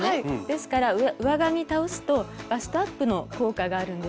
ですから上側に倒すとバストアップの効果があるんです。